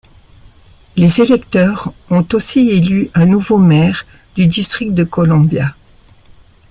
Les électeurs ont aussi élu un nouveau maire du district de Colombia.